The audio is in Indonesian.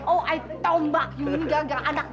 oh saya tahu mbak ini gagal anak